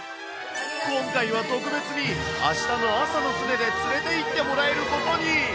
今回は特別にあしたの朝の船で連れていってもらえることに。